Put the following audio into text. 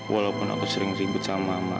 walaupun aku sering ribut sama mama